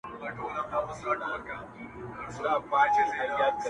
څلوېښتم کال دی،